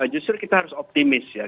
justru kita harus optimis ya